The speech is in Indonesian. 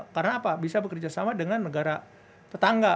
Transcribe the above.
karena apa bisa bekerja sama dengan negara petangga